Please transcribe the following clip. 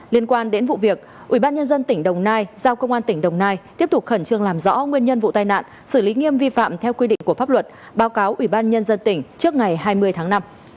liên quan đến vụ việc ubnd tỉnh đồng nai giao công an tỉnh đồng nai tiếp tục khẩn trương làm rõ nguyên nhân vụ tai nạn xử lý nghiêm vi phạm theo quy định của pháp luật báo cáo ủy ban nhân dân tỉnh trước ngày hai mươi tháng năm